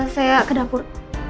saya ke dapur